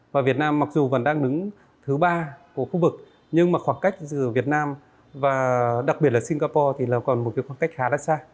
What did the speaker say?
và việt nam mặc dù vẫn đang đứng thứ ba của khu vực nhưng mà khoảng cách giữa việt nam và đặc biệt là singapore thì là còn một khoảng cách khá đắt xa